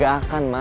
gak akan ma